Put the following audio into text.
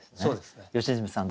良純さん